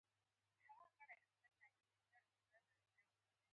هره ورځ اسرایلي پوځیان سپیڅلي عبادت ځای ته سپکاوی کوي.